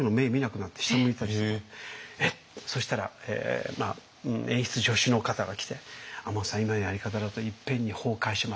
そしたら演出助手の方が来て「亞門さん今のやり方だといっぺんに崩壊します。